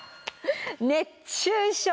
「熱中症」。